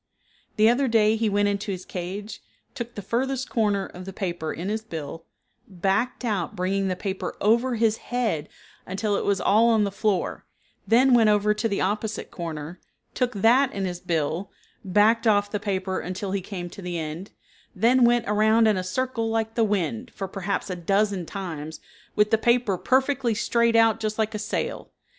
The other day he went into his cage, took the furthest corner of the paper in his bill, backed out bringing the paper over his head until it was all on the floor, then went over to the opposite corner, took that in his bill, backed off the paper until he came to the end, then went around in a circle like the wind, for perhaps a dozen times, with the paper perfectly straight out just like a sail.